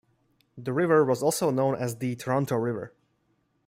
The river was also known as the Toronto River.